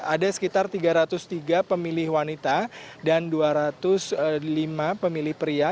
ada sekitar tiga ratus tiga pemilih wanita dan dua ratus lima pemilih pria